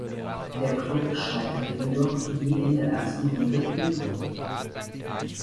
Der Club scheiterte jedoch je in der ersten Runde punktlos.